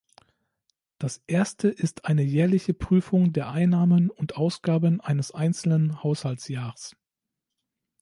Das erste ist eine jährliche Prüfung der Einnahmen und Ausgaben eines einzelnen Haushaltsjahrs.